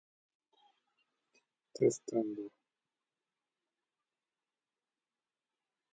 Logitech Media Server also comes pre-installed on the VortexBox Linux distribution and VortexBox appliance.